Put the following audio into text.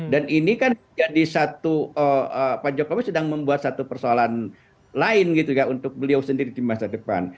dan ini kan jadi satu pak jokowi sedang membuat satu persoalan lain gitu ya untuk beliau sendiri di masa depan